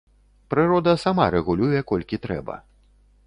Прырода сама рэгулюе, колькі трэба.